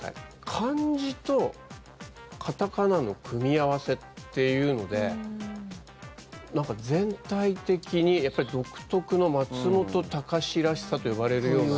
漢字と片仮名の組み合わせというので全体的に、やっぱり独特の松本隆らしさと呼ばれるような。